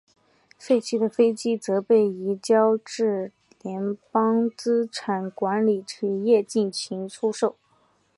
废弃的飞机则被移交至联邦资产管理企业进行出售。